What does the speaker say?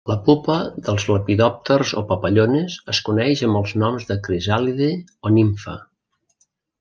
La pupa dels lepidòpters o papallones es coneix amb els noms de crisàlide o nimfa.